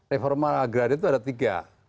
reforma agraria itu ada tiga